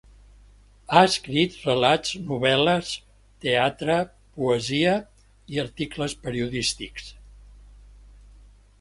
Ha escrit relats, novel·les, teatre, poesia i articles periodístics.